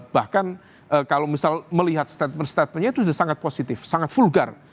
bahkan kalau misal melihat statement statementnya itu sudah sangat positif sangat vulgar